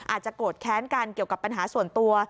อาจจะโกรธแค้นกันเกี่ยวกับปัญหาส่วนตัว